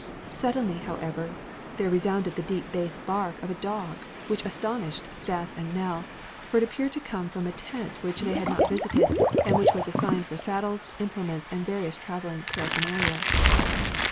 Suddenly, however, there resounded the deep bass bark of a dog which astonished Stas and Nell, for it appeared to come from a tent which they had not visited and which was assigned for saddles, implements, and various traveling paraphernalia.